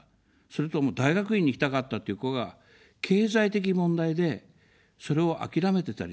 それと大学院に行きたかったという子が、経済的問題で、それを諦めてたりします。